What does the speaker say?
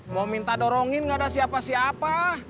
mau minta dorongin nggak ada siapa siapa